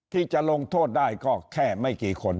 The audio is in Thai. ที่จะลงโทษได้ก็แค่ไม่กี่คน